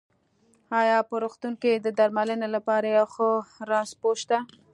ايا په روغتون کې د درمنلې لپاره يو ښۀ رنځپوۀ شته؟